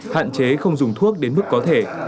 hạn chế không dùng thuốc đến mức có thể